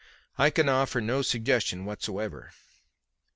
I can offer no suggestion whatever."